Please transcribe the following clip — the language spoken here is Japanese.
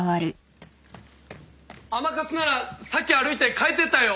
「甘春ならさっき歩いて帰ってったよ」